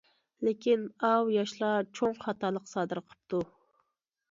لېكىن ئاۋۇ ياشلار چوڭ خاتالىق سادىر قىپتۇ.